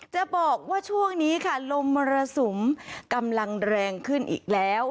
จะบอกว่าช่วงนี้ค่ะลมมรสุมกำลังแรงขึ้นอีกแล้ว